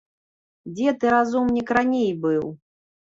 Дзе ты, разумнік, раней быў?